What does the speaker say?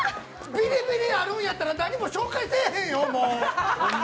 ビリビリやるんやったら何も紹介せえへんよ、もう！